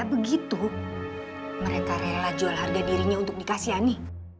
begitu mereka rela jual harga dirinya untuk dikasihani